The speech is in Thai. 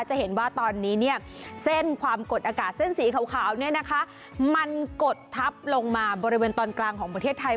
จะเห็นว่าตอนนี้เนี่ยเส้นความกดอากาศเส้นสีขาวเนี่ยนะคะมันกดทับลงมาบริเวณตอนกลางของประเทศไทย